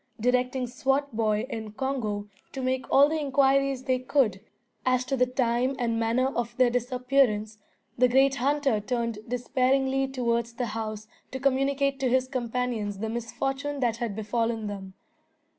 Directing Swartboy and Congo to make all the inquiries they could, as to the time and manner of their disappearance, the great hunter turned despairingly towards the house to communicate to his companions the misfortune that had befallen them.